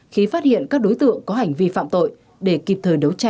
khi phát hiện các đối tượng có hành vi phạm tội để kịp thời đấu tranh ngăn chặn